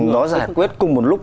nó giải quyết cùng một lúc